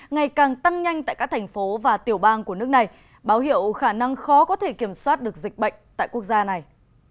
ngày càng tăng nhanh tại các thành phố và tiểu bang của nước này báo hiệu khả năng khó có thể kiểm soát được dịch bệnh tại quốc gia này